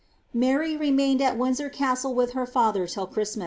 Mary rpmained at Windsor Castle with her fiither till Christmi.